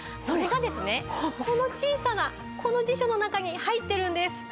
それがですねこの小さなこの辞書の中に入ってるんです。